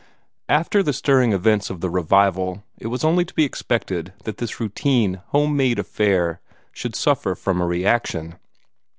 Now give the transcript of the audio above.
After the stirring events of the revival, it was only to be expected that this routine, home made affair should suffer from a reaction.